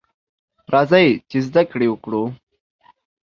راځئ ! چې زده کړې وکړو.